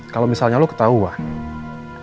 kalau misalnya lo ketahuan